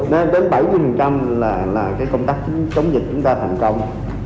nên đến bảy mươi là cái công tác chống dịch chúng ta thành công